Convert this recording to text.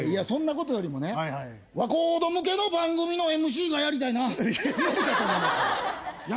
そんなことよりもね若人向けの番組のＭＣがやりたいな。